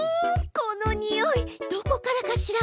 このにおいどこからかしら？